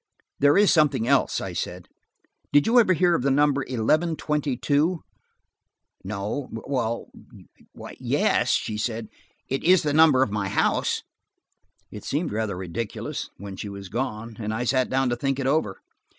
"There is something else," I said. "Did you ever hear of the number eleven twenty two?" "No–or–why, yes–" she said. "It is the number of my house." It seemed rather ridiculous, when she had gone, and I sat down to think it over.